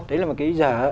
đấy là một cái dở